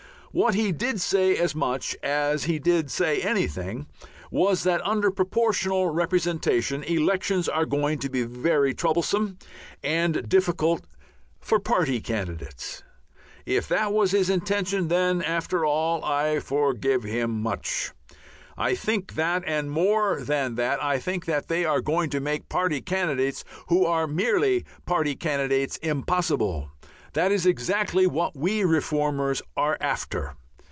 What he did say as much as he said anything was that under Proportional Representation, elections are going to be very troublesome and difficult for party candidates. If that was his intention, then, after all, I forgive him much. I think that and more than that. I think that they are going to make party candidates who are merely party candidates impossible. That is exactly what we reformers are after.